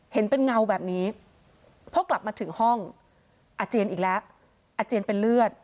เห็นเป็นเงาแบบนี้พอกลับมาถึงห้องอาเจียนอีกแล้วอาเจียนเป็นเลือด